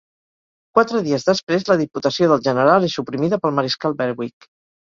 Quatre dies després, la Diputació del General és suprimida pel mariscal Berwick.